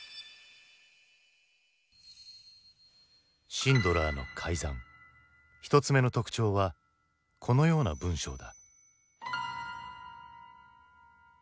シンドラーの改ざん１つ目の特徴はこのような文章だ。